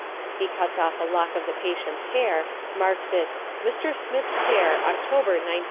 He cuts off a lock of the patient's hair, marks it, "Mr. Smith's Hair, October, 1910."